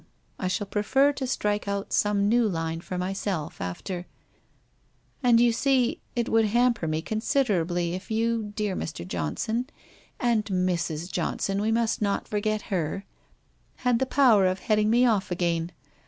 I shall prefer to strike out some new line for myself, after And you see, it would hamper me consid erably if you, dear Mr. Johnson — and Mrs. Johnson, we must not forget her! — had the power of heading me off again.